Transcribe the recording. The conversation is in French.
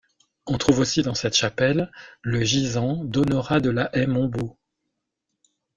On trouve aussi dans cette chapelle le gisant d'Honorat de la Haye Montbault.